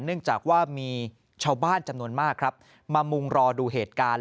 เนื่องจากว่ามีชาวบ้านจำนวนมากครับมามุงรอดูเหตุการณ์